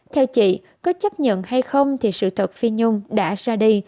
theo chị có chấp nhận hay không thì sự thật phi nhung đã ra đi